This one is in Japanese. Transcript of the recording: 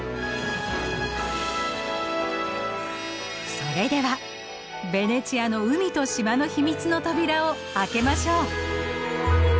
それではベネチアの海と島の秘密の扉を開けましょう。